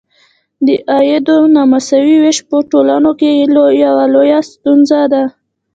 د عاید نامساوي ویش په ټولنو کې یوه لویه ستونزه ده.